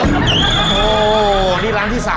โอ้โหนี่ร้านที่๓